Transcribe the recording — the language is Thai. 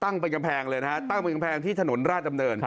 ตั้งเป็นแผงเลยนะตั้งเป็นแผงที่ถนนราชลำเนิน